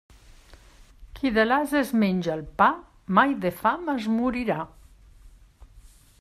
Qui de l'ase es menja el pa, mai de fam es morirà.